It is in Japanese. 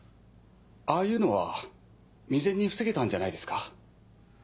ああいうのは未然に防げたんじゃないですか？